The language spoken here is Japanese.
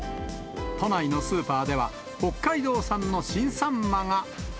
都内のスーパーでは、北海道産の新サンマが。